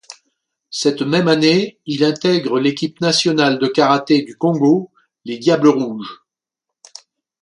Cette même année, il intègre l'équipe nationale de karaté du Congo les Diables Rouges.